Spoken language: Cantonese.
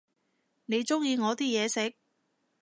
你鍾意我啲嘢食？